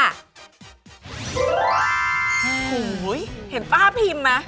โอ้โหเห็นป้าพิมมั้ย